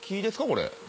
これ。